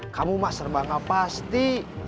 kamu mas serba gak pasti